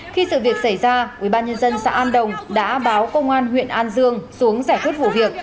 khi sự việc xảy ra ubnd xã an đồng đã báo công an huyện an dương xuống giải quyết vụ việc